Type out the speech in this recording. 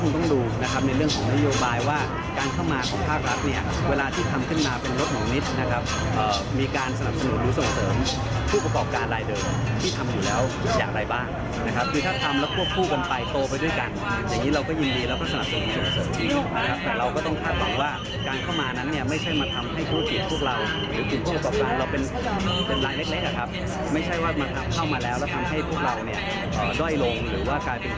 เพราะว่ามันเข้ามาแล้วทำให้พวกเราด้อยลงหรือว่ากลายเป็นผู้แผ่นที่ทำให้เราอาจจะรู้สึกว่าการกำหนดผู้ผู้หญิงมันยากขึ้นเพราะว่าเราแข่งกับภาพรัฐไม่ได้อยู่แล้ว